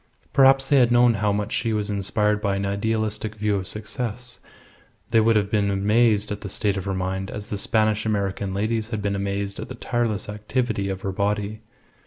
Perhaps had they known how much she was inspired by an idealistic view of success they would have been amazed at the state of her mind as the Spanish American ladies had been amazed at the tireless activity of her body.